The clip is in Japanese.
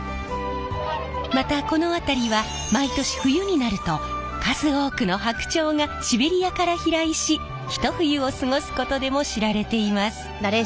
またこの辺りは毎年冬になると数多くの白鳥がシベリアから飛来しひと冬を過ごすことでも知られています。